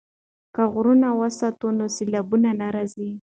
که غرونه وساتو نو سیلابونه نه راځي.